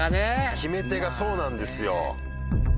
決め手がそうなんですよ。